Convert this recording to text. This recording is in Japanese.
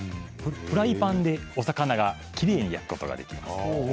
フライパンでお魚をきれいに焼くことができます。